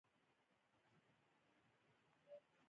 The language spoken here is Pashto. سرحدونه باید څنګه امن شي؟